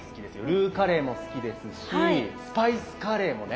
ルーカレーも好きですしスパイスカレーもね。